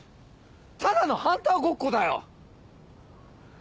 ただのハンターごっこだよ。